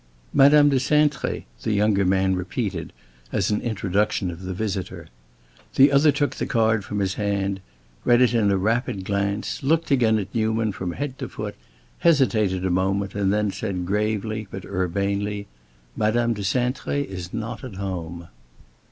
"Madame de Cintré," the younger man repeated, as an introduction of the visitor. The other took the card from his hand, read it in a rapid glance, looked again at Newman from head to foot, hesitated a moment, and then said, gravely but urbanely, "Madame de Cintré is not at home."